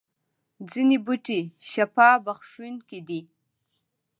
ځینې بوټي شفا بخښونکي دي